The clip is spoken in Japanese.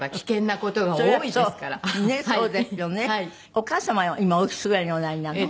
お母様は今おいくつぐらいにおなりなの？